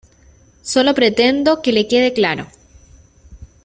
solo pretendo que le quede claro.